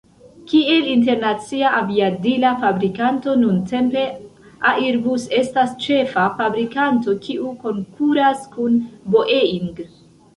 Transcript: Kiel internacia aviadila fabrikanto, nuntempe Airbus estas ĉefa fabrikanto, kiu konkuras kun Boeing.